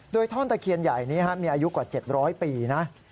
โดยท่อนตะเคียนใหญ่นี้มีอายุกว่า๗๐๐ปีนะ